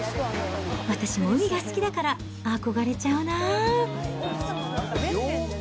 私も海が好きだから、憧れちゃうな。